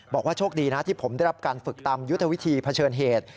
บอกว่าโชคดีนะที่ผมได้รับการฝึกตามยุทธวิธีเผชิญเหตุ